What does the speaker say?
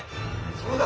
そうだ！